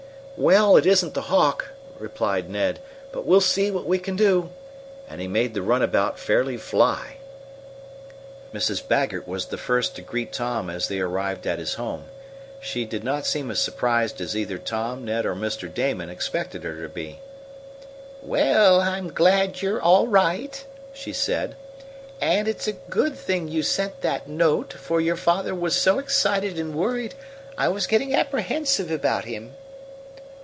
"Well, it isn't the Hawk," replied Ned, "but we'll see what we can do," and he made the runabout fairly fly. Mrs. Baggert was the first to greet Tom as they arrived at his home. She did not seem as surprised as either Tom, Ned or Mr. Damon expected her to be. "Well, I'm glad you're all right," she said. "And it's a good thing you sent that note, for your father was so excited and worried I was getting apprehensive about him."